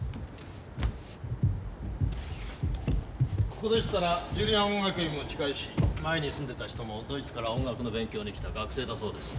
ここでしたらジュリアン音楽院も近いし前に住んでた人もドイツから音楽の勉強に来た学生だそうです。